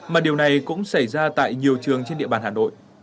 mà điều này cũng xảy ra tại nhiều trường trên địa bàn hà nội